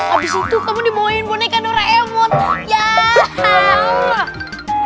abis itu kamu dibawain boneka doraemon